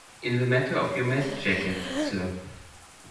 In the matter of your mess-jacket, sir.